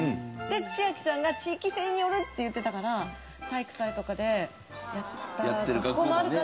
千秋ちゃんが地域性によるって言ってたから体育祭とかでやった学校もあるかなとか思って。